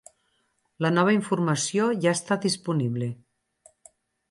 La nova informació ja està disponible.